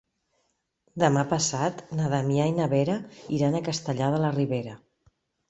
Demà passat na Damià i na Vera iran a Castellar de la Ribera.